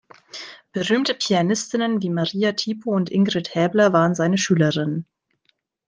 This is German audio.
Berühmte Pianistinnen wie Maria Tipo und Ingrid Haebler waren seine Schülerinnen.